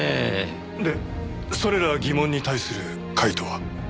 でそれら疑問に対する解答は？